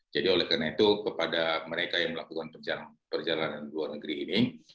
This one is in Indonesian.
jadi oleh karena itu kepada mereka yang melakukan perjalanan di luar negeri ini